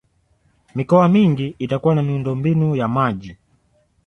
mikoa mingi itakuwa na miundombinu ya maji